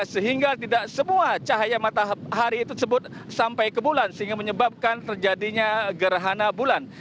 sehingga tidak semua cahaya matahari tersebut sampai ke bulan sehingga menyebabkan terjadinya gerhana bulan